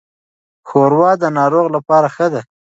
ښوروا د ناروغ لپاره ښه ده.